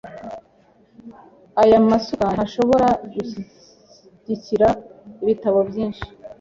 Aya masuka ntashobora gushyigikira ibitabo byinshi .